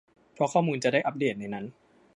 เพราะข้อมูลจะอัพเดทในนั้น